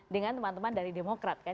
dengan teman teman dari demokrat kan